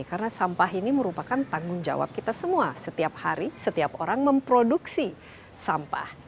karena sampah ini merupakan tanggung jawab kita semua setiap hari setiap orang memproduksi sampah